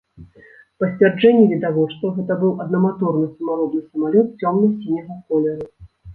Па сцвярджэнні відавочцаў, гэта быў аднаматорны самаробны самалёт цёмна-сіняга колеру.